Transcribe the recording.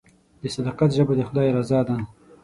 د صداقت ژبه د خدای رضا ده.